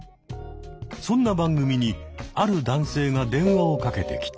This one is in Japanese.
そんな番組にある男性が電話をかけてきた。